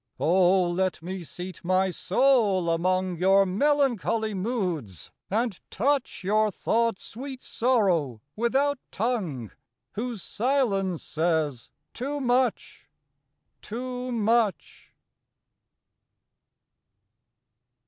Oh, let me seat my soul among Your melancholy moods! and touch Your thoughts' sweet sorrow without tongue, Whose silence says too much, too much!